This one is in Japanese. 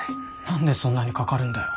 何でそんなにかかるんだよ。